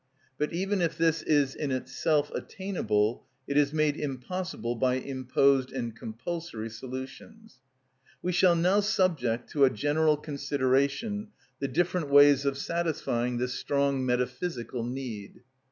But even if this is in itself attainable, it is made impossible by imposed and compulsory solutions. We shall now subject to a general consideration the different ways of satisfying this strong metaphysical need.